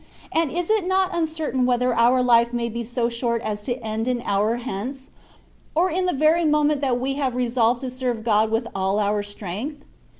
And is it not uncertain whether our life may be so short as to end an hour hence, or in the very moment that we have resolved to serve God with all our strength?